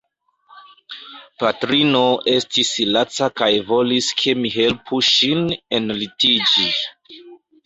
Patrino estis laca kaj volis ke mi helpu ŝin enlitiĝi.